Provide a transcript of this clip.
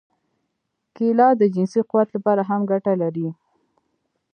کېله د جنسي قوت لپاره هم ګټه لري.